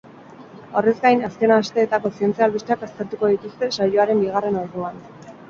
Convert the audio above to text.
Horrez gain, azken asteetako zientzia albisteak aztertuko dituzte saioaren bigarren orduan.